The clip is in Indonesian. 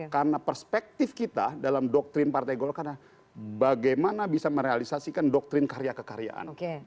karena perspektif kita dalam doktrin partai golkar adalah bagaimana bisa merealisasikan doktrin karya kekaryaan